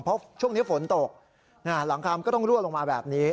เพราะช่วงนี้ฝนตกหลังคามก็ต้องรั่วลงมาแบบนี้